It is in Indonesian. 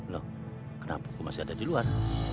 loh kenapa kok masih ada di luar